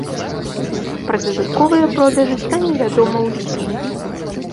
Пра дадатковыя продажы стане вядома ў ліпені.